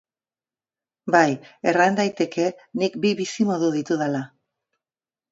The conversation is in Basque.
Bai, erran daiteke nik bi bizimodu ditudala.